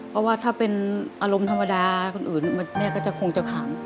เพราะว่าถ้าเป็นอารมณ์ธรรมดาคนอื่นแม่ก็จะคงจะขัง